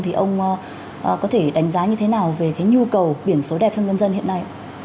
thì ông có thể đánh giá như thế nào về cái nhu cầu biển số đẹp cho nhân dân hiện nay